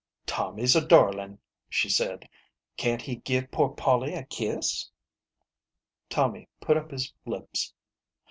" Tommy's a darlin'," she said ; fc< can't he give poor Polly a kiss ?" Tommy put up his lips.